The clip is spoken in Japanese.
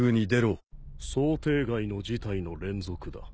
想定外の事態の連続だ。